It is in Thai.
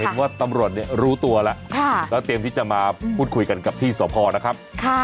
ตำรวจเนี่ยรู้ตัวแล้วแล้วเตรียมที่จะมาพูดคุยกันกับที่สพนะครับ